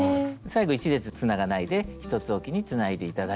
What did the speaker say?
最後１列つながないで１つおきにつないで頂きまして。